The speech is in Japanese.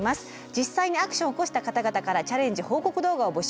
実際にアクションを起こした方々からチャレンジ報告動画を募集しています。